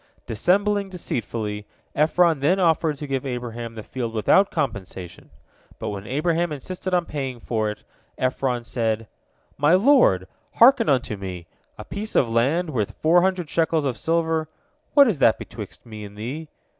Dissembling deceitfully, Ephron then offered to give Abraham the field without compensation, but when Abraham insisted upon paying for it, Ephron said: "My lord, hearken unto me. A piece of land worth four hundred shekels of silver, what is that betwixt me and thee?"